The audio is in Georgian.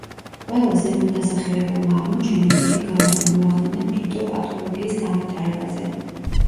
ყველა ზემოთ დასახელებულმა აღმოჩენამ დიდი გავლენა მოახდინა ფიტოპათოლოგიის განვითარებაზე.